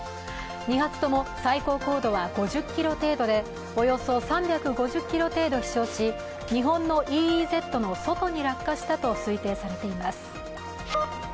２発とも最高高度は５０ｋｍ程度でおよそ３５０ｋｍ程度飛しょうし、日本のＥＥＺの外に落下したと推定されています。